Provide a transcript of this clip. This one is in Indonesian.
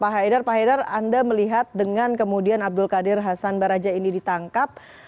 pak haidar pak haidar anda melihat dengan kemudian abdul qadir hasan baraja ini ditangkap